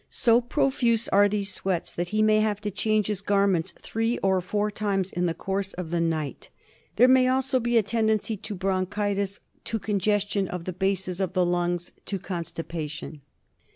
So profuse are these sweats that he may have to change his garments three or four times in the course of the night. There may also be a tendency to bronchitis, to con gestion of the bases of the lungs, to constipation.